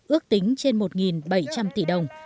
ước tính trên một bảy trăm linh tỷ đồng